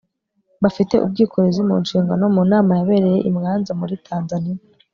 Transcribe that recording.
bafite ubwikorezi mu nshingano, mu nama yabereye i mwanza muri tanzania